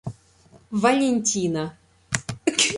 Валентина